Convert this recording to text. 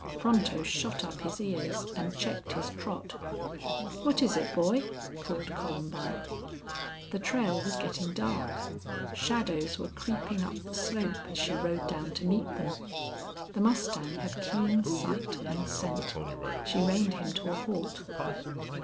Pronto shot up his ears and checked his trot. "What is it, boy?" called Columbine. The trail was getting dark. Shadows were creeping up the slope as she rode down to meet them. The mustang had keen sight and scent. She reined him to a halt.